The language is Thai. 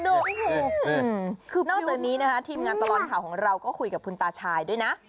นอกจากนี้นะคะทีมงานตลอดข่าวของเราก็คุยกับคุณตาชายด้วยนะ